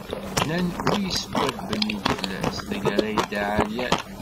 Nnan wi isebbeben i leflas, tagara yedda εeryan.